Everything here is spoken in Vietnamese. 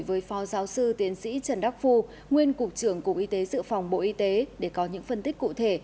với phó giáo sư tiến sĩ trần đắc phu nguyên cục trưởng cục y tế sự phòng bộ y tế để có những phân tích cụ thể